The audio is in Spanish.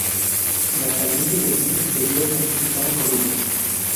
Las salientes del piso superior necesitaban columnas.